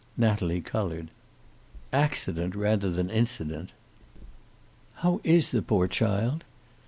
Natalie colored. "Accident, rather than incident." "How is the poor child?"